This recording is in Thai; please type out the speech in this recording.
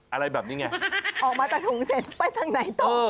อะไรแบบนี้ไงออกมาจากถุงเสร็จไปทางไหนต่อ